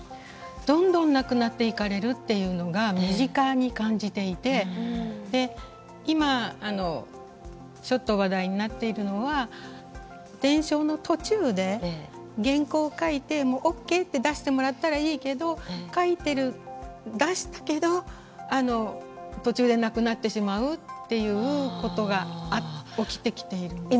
どんどん亡くなっていかれるっていうのが身近に感じていて今ちょっと話題になっているのは伝承の途中で原稿を書いてＯＫって出してもらったらいいけど書いてる出したけど途中で亡くなってしまうっていうことが起きてきているんですね。